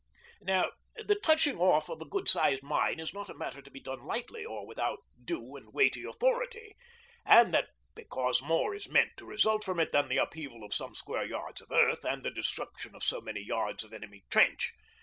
Now the 'touching off' of a good sized mine is not a matter to be done lightly or without due and weighty authority, and that because more is meant to result from it than the upheaval of some square yards of earth and the destruction of so many yards of enemy trench.